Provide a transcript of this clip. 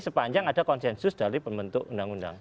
sepanjang ada konsensus dari pembentuk undang undang